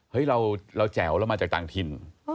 เราแจ๋วเรามาจากต่างถิ่น